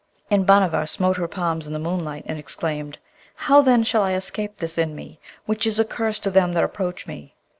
And Bhanavar smote her palms in the moonlight, and exclaimed, 'How then shall I escape this in me, which is a curse to them that approach me?'